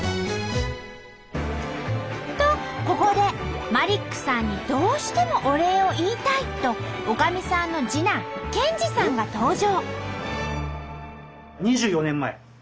とここでマリックさんにどうしてもお礼を言いたいとおかみさんの次男健二さんが登場！